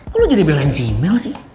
kok lo jadi balance mel sih